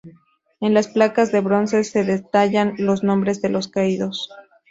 En las placas de bronce se detallan los nombres de los caídos.